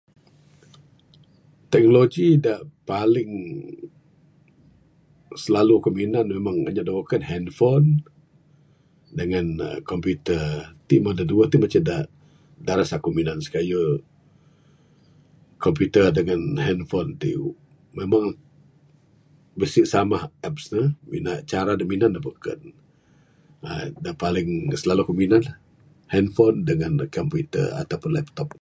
Teknoloji da paling slalu kuk minan memang anyap da' bekun, handfon dengan komputer. Tik mah da' duwuh tik ce daras kuk minan kayuh komputer dengan handfon tik memang bisik samah apps ne. Minak cara dup minan ne bekun. uhh Dak paling slalu kuk minan ne handfon dengan komputer atau pun laptop.